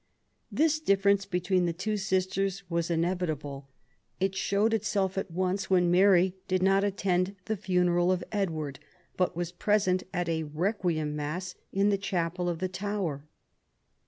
This difference between the two sisters was inevitable. It showed itself at once, when Mary did not attend the funeral of Edward, but was present at a Requiem Mass in the chapel of the Tower.